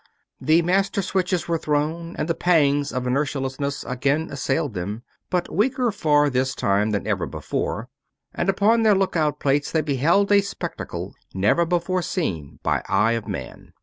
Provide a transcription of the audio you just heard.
The master switches were thrown and the pangs of inertialessness again assailed them but weaker far this time than ever before and upon their lookout plates they beheld a spectacle never before seen by eye of man.